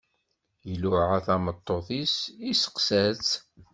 Iluɛa tameṭṭut-is, iseqsa-tt.